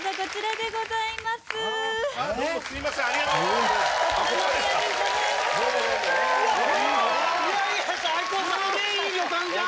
いい旅館じゃん。